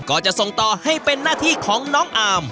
ก็จะส่งต่อให้เป็นหน้าที่ของน้องอาร์ม